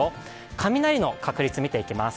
雷の確率、見ていきます。